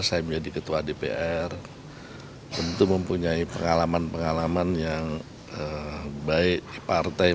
saya menjadi ketua dpr tentu mempunyai pengalaman pengalaman yang baik di partai